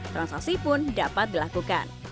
transaksi pun dapat dilakukan